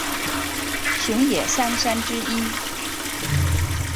熊野三山之一。